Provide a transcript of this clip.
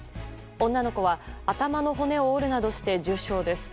女の子は頭の骨を折るなどして重傷です。